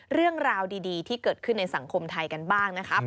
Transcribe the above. เรื่องราวดีที่เกิดขึ้นในสังคมไทยกันบ้างนะครับ